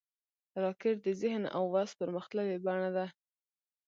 راکټ د ذهن او وس پرمختللې بڼه ده